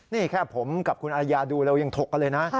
นี่แค่ผมกับคุณอารยาดูเรายังถกกันเลยนะ